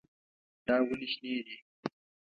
دا ونې شنې دي.